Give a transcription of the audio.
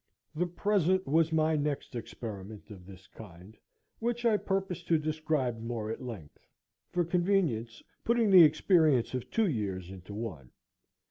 The present was my next experiment of this kind, which I purpose to describe more at length; for convenience, putting the experience of two years into one.